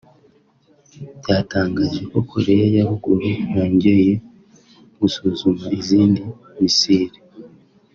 byatangaje ko Koreya ya ruguru yongeye gusuzuma izindi missile